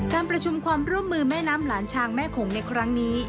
การประชุมความร่วมมือแม่น้ำหลานชางแม่โขงในครั้งนี้